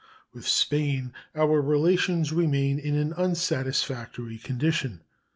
With Spain our relations remain in an unsatisfactory condition.